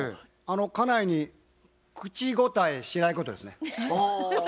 家内に口答えしないことですね。